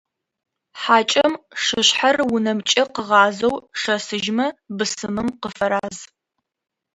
Хьакӏэм шышъхьэр унэмкӏэ къыгъазэу шэсыжьмэ, бысымым къыфэраз.